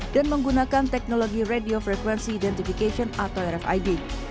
dan menggunakan teknologi radio frequency identification atau rfid